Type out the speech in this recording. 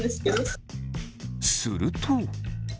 すると。